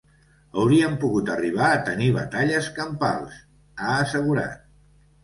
Hauríem pogut arribar a tenir batalles campals, ha assegurat.